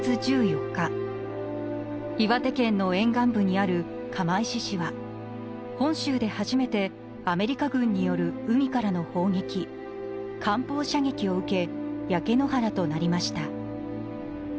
岩手県の沿岸部にある釜石市は本州で初めてアメリカ軍による海からの砲撃艦砲射撃を受け焼け野原となりました。